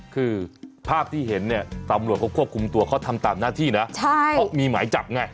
คือภาพที่เห็นเนี่ยตำรวจเขาควบคุมตัวเขาทำตามหน้าที่นะเขามีหมายจับไง